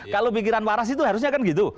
kalau pikiran waras itu harusnya kan gitu